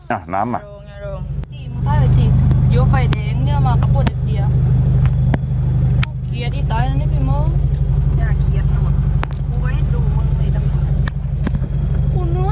อ่ะน้ำมา